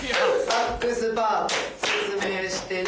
サックスパートを説明してね。